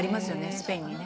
スペインにね。